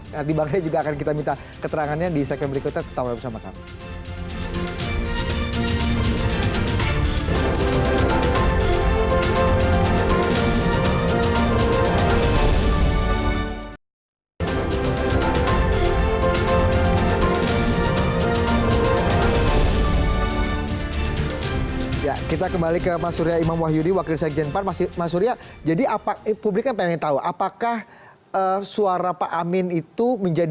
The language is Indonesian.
nanti bangkanya juga akan kita minta keterangannya di sektenberik kita